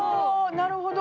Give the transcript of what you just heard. なるほど。